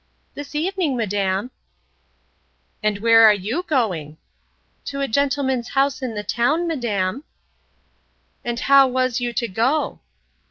—This evening, madam. And where are you going? To a gentleman's house in the town, madam.—And how was you to go?